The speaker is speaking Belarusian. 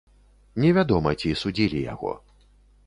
Невядома, ці судзілі яго.